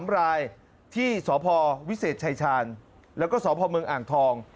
๓รายที่สพวิเศษชายชาญแล้วก็สพเมืองอ่างทอง